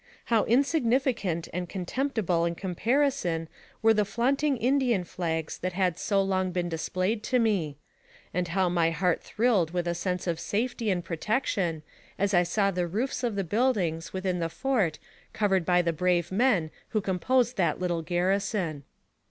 How insignificant and contemptible in comparison were the flaunting In dian flags that had so long been displayed to me ; and how my heart thrilled with a sense of safety and pro tection as I saw the roofs of the buildings within the fort covered by the brave men who composed that lit tle garrison.